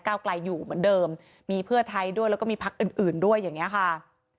ไกลอยู่เหมือนเดิมมีเพื่อไทยด้วยแล้วก็มีพักอื่นอื่นด้วยอย่างนี้ค่ะ